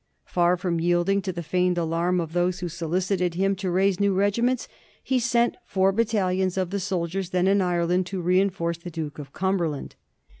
Far from yielding to the feigned alarm of those who solicited him to raise new regiments, he sent four battalions of the soldiers then in Ireland to reinforce the Duke of Cumberland.